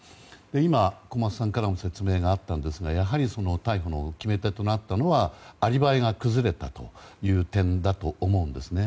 今、小松さんからも説明があったんですがやはり逮捕の決め手となったのはアリバイが崩れたという点だと思うんですね。